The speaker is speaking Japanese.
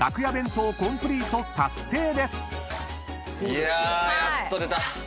いややっと出た。